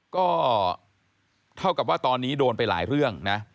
ก็เท่ากับว่าตอนนี้โดนไปหลายเรื่องนะ